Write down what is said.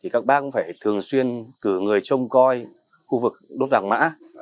các bác cũng phải thường xuyên cử người trông coi khu vực đốt vàng mã